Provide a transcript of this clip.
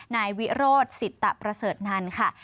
นายวิโรธสิตประเสริฐนันค่ะ